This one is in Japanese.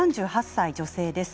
３８歳女性です。